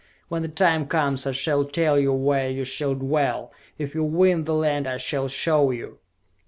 When the time comes I shall tell you where you shall dwell if you win the land I shall show you!"